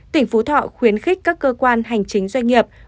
tỉnh phú thọ khuyến khích các cơ quan hành chính doanh nghiệp